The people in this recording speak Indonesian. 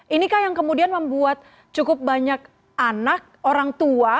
inikah yang kemudian membuat cukup banyak anak orang tua